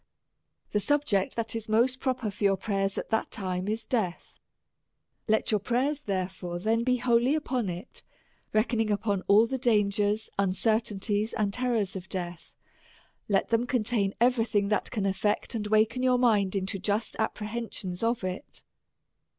The subject that is most pro per for your prayers, at that time, is death. Let your prayers, therefore, then be wholly upon it, reck oning up all the dangers, uncertainties, and terrors of death ; let them contain every thing that can aflect and awaken your mind into just apprehensions of it.